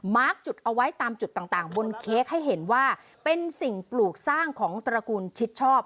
จุดเอาไว้ตามจุดต่างต่างบนเค้กให้เห็นว่าเป็นสิ่งปลูกสร้างของตระกูลชิดชอบ